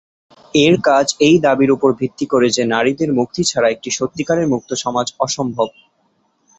এর কাজ এই দাবির উপর ভিত্তি করে যে "নারীদের মুক্তি ছাড়া, একটি সত্যিকারের মুক্ত সমাজ অসম্ভব।"